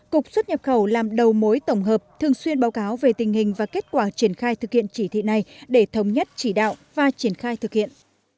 cục xuất nhập khẩu làm đầu mối tổng hợp thường xuyên báo cáo về tình hình và kết quả triển khai thực hiện chỉ thị này để thống nhất chỉ đạo và triển khai thực hiện